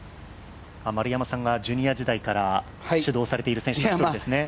丸山さんがジュニア時代から指導されている選手なんですね。